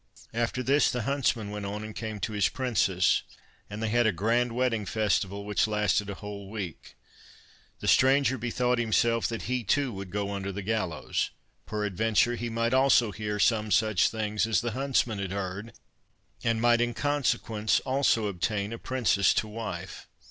After this the huntsman went on and came to his princess, and they had a grand wedding festival, which lasted a whole week. The stranger bethought himself that he, too, would go under the gallows; peradventure he might also hear some such things as the huntsman had heard, and might in consequence also obtain a princess to wife.